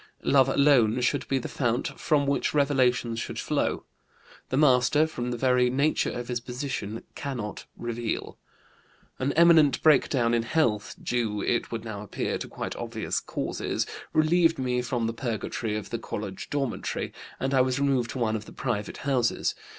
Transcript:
Love alone should be the fount from which revelations should flow; the master, from the very nature of his position, cannot reveal. "An imminent breakdown in health due, it would now appear, to quite obvious causes relieved me from the purgatory of the college dormitory, and I was removed to one of the private houses.